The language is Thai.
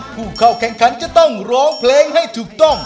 ผู้เข้าแข่งขันจะต้องร้องเพลงให้ถูกต้อง